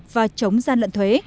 và chống gian lận thuế